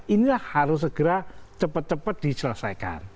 inilah harus segera cepat cepat diselesaikan